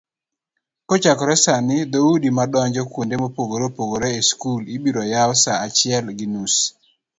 kochakore sani dhoudi madonjo kuonde mopogoreopogore e skul ibiroyaw saa achiel gi nus